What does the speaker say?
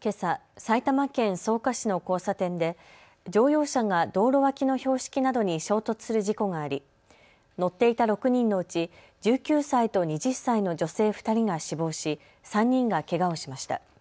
けさ、埼玉県草加市の交差点で乗用車が道路脇の標識などに衝突する事故があり乗っていた６人のうち１９歳と２０歳の女性２人が死亡し３人がけがをしました。